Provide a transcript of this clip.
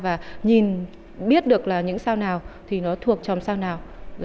và nhìn biết được là những sao nào thì nó thuộc tròm sao nào